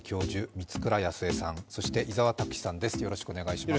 満倉靖恵さん、そして伊沢拓司さんです。